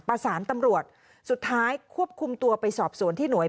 ประสานตำรวจสุดท้ายควบคุมตัวไปสอบสวนที่หน่วย